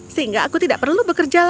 sehingga aku tidak perlu bekerja lagi